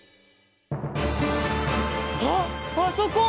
あっあそこ！